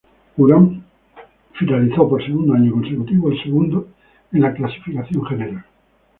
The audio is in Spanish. Urán finalizó, por segundo año consecutivo, segundo en la clasificación general.